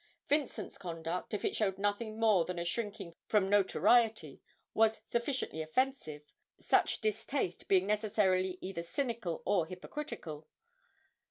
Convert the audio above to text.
Vincent's conduct, if it showed nothing more than a shrinking from notoriety, was sufficiently offensive, such distaste being necessarily either cynical or hypocritical.